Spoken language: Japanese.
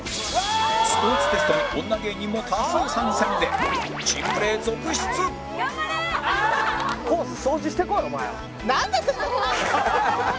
スポーツテストに女芸人も多数参戦で珍プレー続出！なんだ！